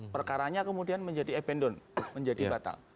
perkaranya kemudian menjadi abendon menjadi batal